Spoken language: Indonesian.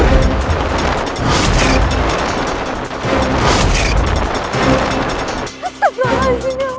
lihatlah semua yang kami lakukan